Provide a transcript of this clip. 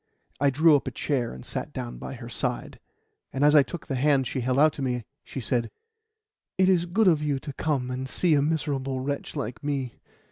I drew up a chair, and sat down by her side, and as I took the hand she held out to me, she said: "It is good of you to come and see a miserable wretch like me.